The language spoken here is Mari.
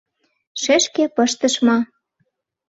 — Шешке пыштыш ма...